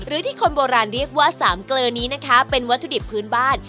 ที่คนโบราณเรียกว่าสามเกลอนี้นะคะเป็นวัตถุดิบพื้นบ้าน